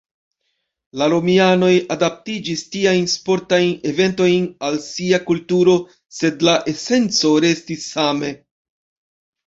La romianoj adaptiĝis tiajn sportajn eventojn al sia kulturo, sed la esenco restis same.